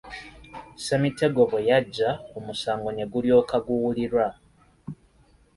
Ssemitego bwe yajja omusango ne gulyoka guwulirwa.